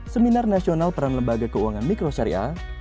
seminar nasional peran lembaga keuangan mikrosyariah